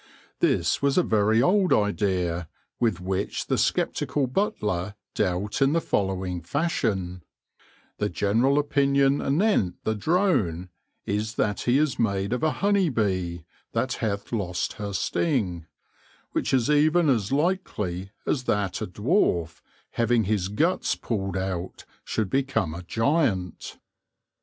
This was a very old idea, with which the sceptical Butler dealt in the following fashion :" The general opinion anent the Drone is that he is made of a honey bee, that hath lost hir sting ; which is even as likelie as that a dwarfe, having his guts pulled out, should become a gyant."